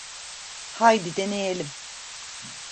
Haydi deneyelim.